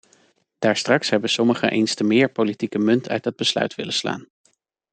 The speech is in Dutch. Daarstraks hebben sommigen eens te meer politieke munt uit dat besluit willen slaan.